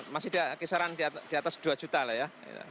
masih kisaran di atas dua juta lah ya